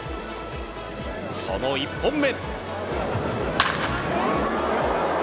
その１本目。